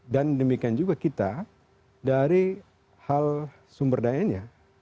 dan demikian juga kita dari hal sumber dayanya